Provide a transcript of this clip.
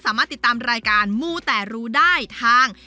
สามารถติดตามรายการมูแต่รู้ได้ทาง